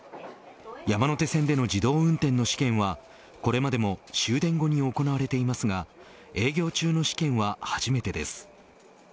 山手線での自動運転の試験はこれまでも終電後に行われていますが営業中の試験は初めてです。